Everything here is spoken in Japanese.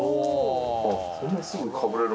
そんなすぐかぶれる。